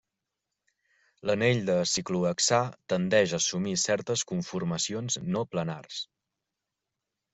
L'anell de ciclohexà tendeix a assumir certes conformacions no planars.